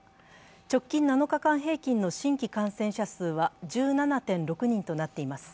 直近７日間平均の新規感染者数は１７．６人となっています。